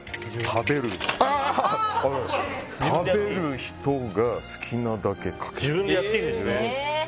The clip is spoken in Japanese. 食べる人が好きなだけかける。